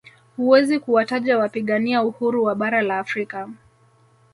Huwezi kuwataja wapigania uhuru wa bara la Afrika